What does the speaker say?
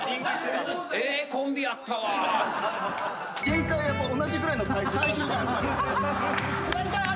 限界はやっぱ同じぐらいの体重。